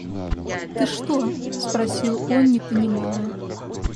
– Ты что? – спросил он, не понимая.